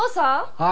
はい。